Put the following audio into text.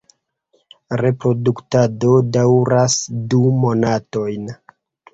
Reproduktado daŭras du monatojn.